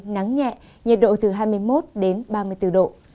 nắng nhẹ nhiệt độ từ hai mươi một đến ba mươi bốn độ